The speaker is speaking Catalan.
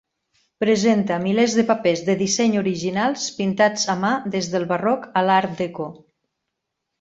Presenta milers de papers de disseny originals pintats a mà des del barroc a l'Art Deco.